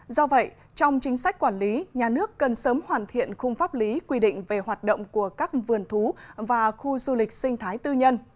do vậy trong chính sách quản lý nhà nước cần sớm hoàn thiện khung pháp lý quy định về hoạt động của các vườn thú và khu du lịch sinh thái tư nhân